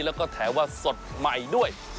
และแถวว่าสดใหม่ด้วย